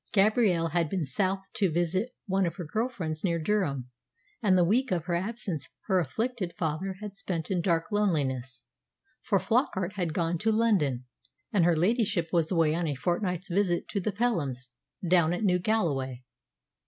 Gabrielle had been south to visit one of her girlfriends near Durham, and the week of her absence her afflicted father had spent in dark loneliness, for Flockart had gone to London, and her ladyship was away on a fortnight's visit to the Pelhams, down at New Galloway.